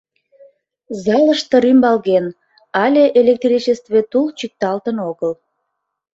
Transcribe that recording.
Залыште рӱмбалген, але электричестве тул чӱкталтын огыл.